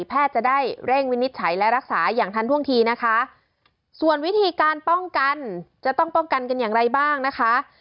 จะได้เร่งวินิจฉัยและรักษาอย่างทันท่วงทีนะคะส่วนวิธีการป้องกันจะต้องป้องกันกันอย่างไรบ้างนะคะ